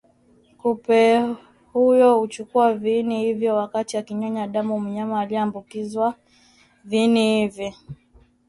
Kupe huyo huchukua viini hivyo wakati akinyonya damu mnyama aliyeambukizwa Viini hivi